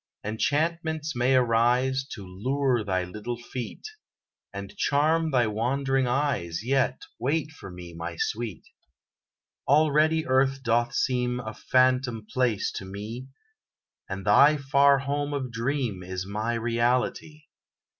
Enchantments may arise To lure thy little feet, And charm thy wondering eyes; Yet; wait for me, my sweet! Already Earth doth seem A phantom place to me, And thy far home of dream, Is my reality.